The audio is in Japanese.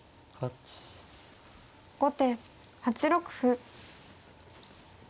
後手８六歩。